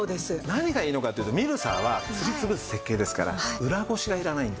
何がいいのかっていうとミルサーはすり潰す設計ですから裏ごしがいらないんですよ。